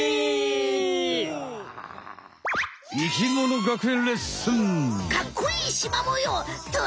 「生きもの学園レッスン」。